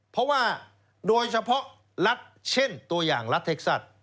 เพราะว่าโดยเฉพาะรัฐเช่นตัวอย่างรัฐเท็กซัส